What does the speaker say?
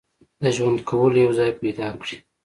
د ژوند کولو یو ځای پیدا کړي.